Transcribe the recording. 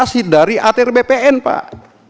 yang sudah mendapat sertifikasi dari atr bpn pak